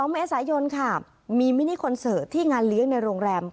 เมษายนค่ะมีมินิคอนเสิร์ตที่งานเลี้ยงในโรงแรม